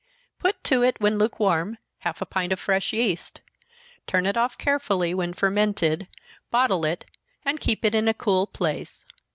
Put to it, when lukewarm, half a pint of fresh yeast. Turn it off carefully, when fermented, bottle it, and keep it in a cool place.